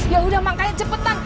ya udah makanya cepetan